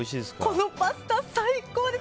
このパスタ、最高です！